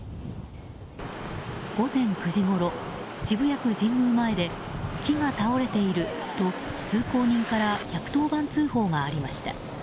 午前９時ごろ、渋谷区神宮前で木が倒れていると通行人から１１０番通報がありました。